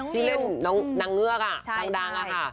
ที่เล่นนางเงือกทางดังค่ะ